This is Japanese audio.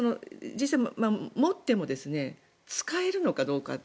持っても使えるのかどうか。